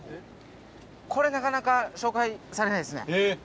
これなかなか紹介されないですね。